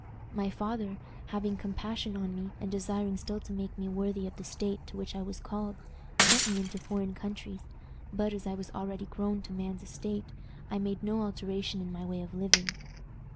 "My father, having compassion on me, and desiring still to make me worthy of the state to which I was called, sent me into foreign countries; but, as I was already grown to man's estate, I made no alteration in my way of living.